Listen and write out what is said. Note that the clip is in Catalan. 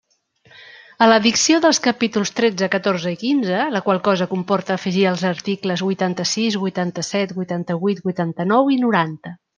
A l'addició dels capítols tretze, catorze i quinze, la qual cosa comporta afegir els articles huitanta-sis, huitanta-set, huitanta-huit, huitanta-nou i noranta.